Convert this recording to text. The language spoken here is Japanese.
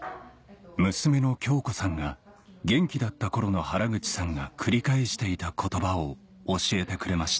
娘の京子さんが元気だった頃の原口さんが繰り返していた言葉を教えてくれました